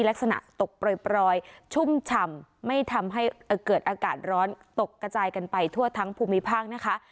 ลักษณะตกปล่อยชุ่มฉ่ำไม่ทำให้เกิดอากาศร้อนตกกระจายกันไปทั่วทั้งภูมิภาคนะคะ